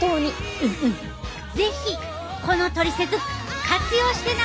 うんうん是非このトリセツ活用してな！